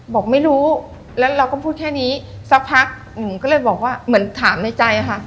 บอกไม่รู้แล้วเราก็พูดแค่นี้สักพักหนูก็เลยบอกว่าเหมือนถามในใจค่ะ